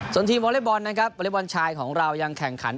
ส่วนทีมวอเล็กบอลนะครับวอเล็กบอลชายของเรายังแข่งขัน